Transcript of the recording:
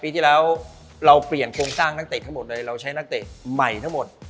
ปีที่แล้วเราเปลี่ยนโครงสร้างนักเตะทั้งหมดเลยเราใช้นักเตะใหม่ทั้งหมด